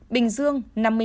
bình dương năm mươi một